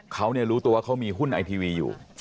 เขารู้ตัวว่าเขามีหุ้นไอทีวีอยู่